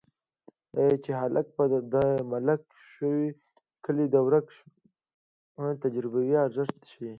چې هلک دې ملک شو کلی دې ورک شو د تجربې ارزښت ښيي